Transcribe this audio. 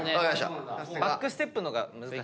バックステップの方が難しい。